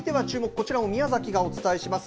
こちらも宮崎がお伝えします。